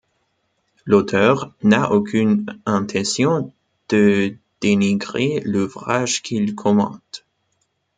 L’auteur n’a aucune intention de dénigrer l’ouvrage qu’il commente.